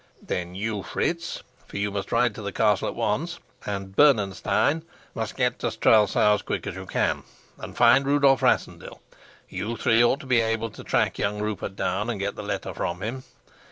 Then you, Fritz for you must ride to the castle at once and Bernenstein must get to Strelsau as quick as you can, and find Rudolf Rassendyll. You three ought to be able to track young Rupert down and get the letter from him.